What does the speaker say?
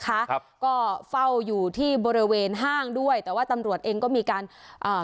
ครับก็เฝ้าอยู่ที่บริเวณห้างด้วยแต่ว่าตำรวจเองก็มีการอ่า